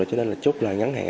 cho nên là chút lời ngắn hẹn